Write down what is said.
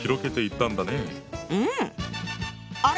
うん！あれ？